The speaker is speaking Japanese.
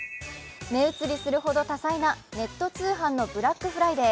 目移りするほど多彩なネット通販のブラックフライデー。